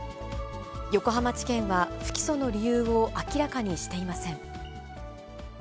横浜地検は不起訴の理由を明らかにしていません。